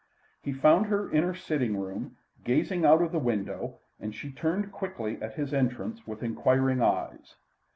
He found her in her sitting room, gazing out of the window, and she turned quickly at his entrance with inquiring eyes.